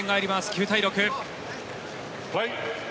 ９対６。